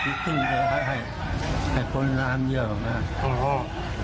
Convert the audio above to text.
มันก็เปลือกรูปขึ้นให้คนร้านเยี่ยมมาก